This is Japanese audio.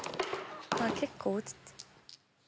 結構落ちて。